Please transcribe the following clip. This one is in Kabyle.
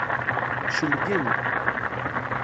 Celgen-d.